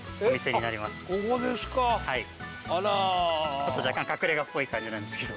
ちょっと若干隠れがっぽい感じなんですけど。